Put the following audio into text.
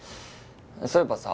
そういえばさ